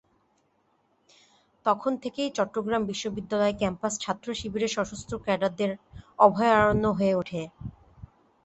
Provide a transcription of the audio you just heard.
তখন থেকেই চট্টগ্রাম বিশ্ববিদ্যালয় ক্যাম্পাস ছাত্রশিবিরের সশস্ত্র ক্যাডারদের অভয়ারণ্য হয়ে ওঠে।